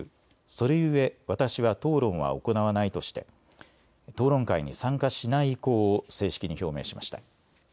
それゆえ私は討論は行わないとして討論会に参加しない意向を正式に表明しました。